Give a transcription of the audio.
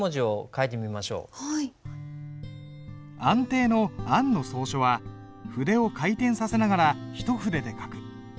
安定の「安」の草書は筆を回転させながら一筆で書く。